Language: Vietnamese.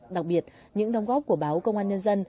đặc biệt những đồng góp của báo công an nhân dân